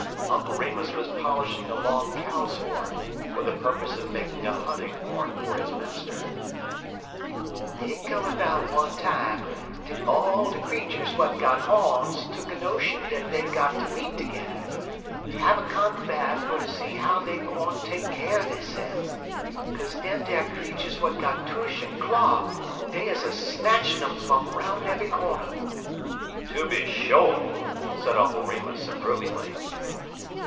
Uncle Remus was polishing a long cow's horn, for the purpose of making a hunting horn for his master. "Hit come 'bout one time dat all de creeturs w'at got hawns tuck a notion dat dey got ter meet terge'er en have a confab fer ter see how dey gwine take ker deyse'f, 'kaze dem t'er creeturs w'at got tush en claw, dey uz des a snatchin' um fum 'roun' eve'y cornder." "Tooby sho'!" said Uncle Remus, approvingly.